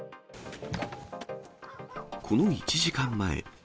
この１時間前。